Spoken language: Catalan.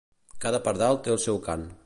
Cada pardal té el seu cant.